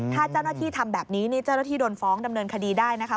ถ้าเจ้าหน้าที่ทำแบบนี้นี่เจ้าหน้าที่โดนฟ้องดำเนินคดีได้นะคะ